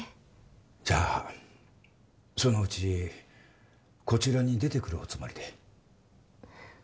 じゃあそのうちこちらに出てくるおつもりで？